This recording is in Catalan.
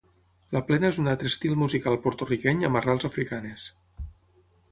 La Plena és un altre estil musical porto-riqueny amb arrels africanes.